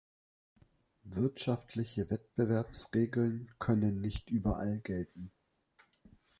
Wirtschaftliche Wettbewerbsregeln können nicht überall gelten.